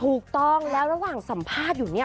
ถูกต้องแล้วระหว่างสัมภาษณ์อยู่เนี่ย